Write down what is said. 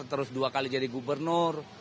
terus dua kali jadi gubernur